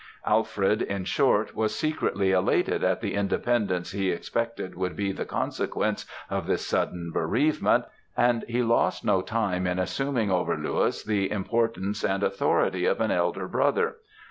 Alfred, in short, was secretly elated at the independence he expected would be the consequence of this sudden bereavement; and he lost no time in assuming over Louis the importance and authority of an elder brother.